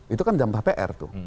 itu kan dampak pr tuh